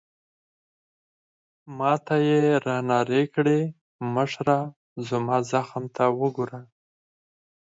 ما ته يې رانارې کړې: مشره، زما زخم ته وګوره.